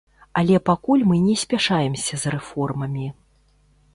Але пакуль мы не спяшаемся з рэформамі.